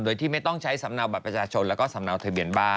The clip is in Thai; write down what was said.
โดยที่ไม่ต้องใช้สำเนาบัตรประชาชนแล้วก็สำเนาทะเบียนบ้าน